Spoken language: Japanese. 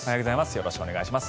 よろしくお願いします。